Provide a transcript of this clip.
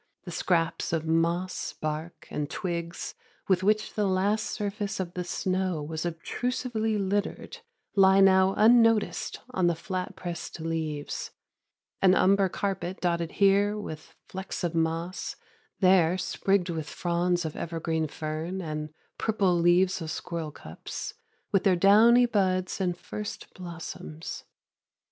The scraps of moss, bark, and twigs with which the last surface of the snow was obtrusively littered lie now unnoticed on the flat pressed leaves, an umber carpet dotted here with flecks of moss, there sprigged with fronds of evergreen fern, purple leaves of squirrelcups, with their downy buds and first blossoms.